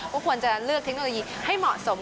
ก็ควรจะเลือกเทคโนโลยีให้เหมาะสม